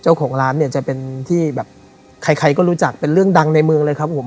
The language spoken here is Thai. เจ้าของร้านเนี่ยจะเป็นที่แบบใครใครก็รู้จักเป็นเรื่องดังในเมืองเลยครับผม